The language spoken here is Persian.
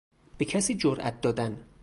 به کسی جرات دادن